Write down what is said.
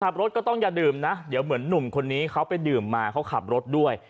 ขับรถก็ต้องอย่าดื่มนะเดี๋ยวเหมือนหนุ่มคนนี้เขาไปดื่มมาเขาขับรถด้วย